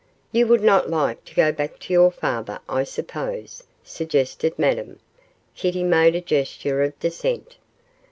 'You would not like to go back to your father, I suppose,' suggested Madame. Kitty made a gesture of dissent.